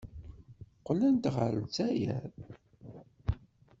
Qqlent ɣer Lezzayer.